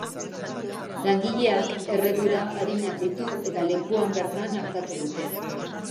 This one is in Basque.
Langileak erredura arinak ditu eta lekuan bertan artatu dute.